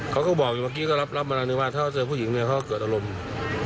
เขาก็บอกอยู่เมื่อกี้ก็รับมาแล้วหนึ่งว่าถ้าเจอผู้หญิงเนี่ยเขาก็เกิดอารมณ์